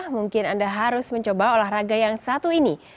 mungkin anda harus mencoba olahraga yang satu ini